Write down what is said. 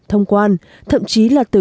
thông quan thậm chí là từ